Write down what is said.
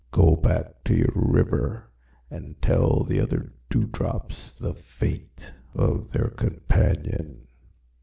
Go back to your river and tell the other Dewdrops the fate of their companion."